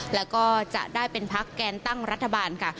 แล้วก็จะได้เป็นพักแกนตั้งรัฐบาลค่ะ